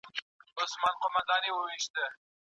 په لږ وخت کي یې پر ټو له کور لاس تېر کړی